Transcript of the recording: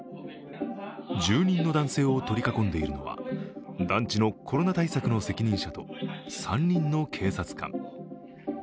住人の男性を取り囲んでいるのは、団地のコロナ対策の責任者と３人の警察官。